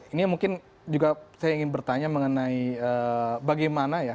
ini mungkin juga saya ingin bertanya mengenai bagaimana ya